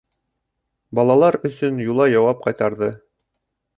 Балалар өсөн Юлай яуап ҡайтарҙы: